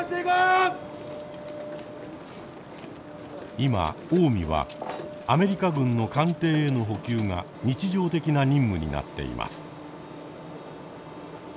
今「おうみ」はアメリカ軍の艦艇への補給が日常的な任務になっています。